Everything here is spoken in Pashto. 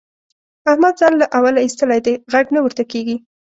احمد ځان له اوله اېستلی دی؛ غږ نه ورته کېږي.